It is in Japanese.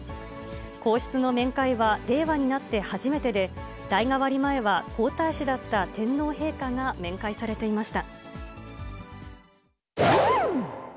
皇室の面会は、令和になって初めてで、代替わり前は皇太子だった天皇陛下が面会されていました。